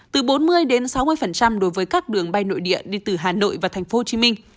từ bốn mươi đến sáu mươi đối với các đường bay nội địa đi từ hà nội và tp hcm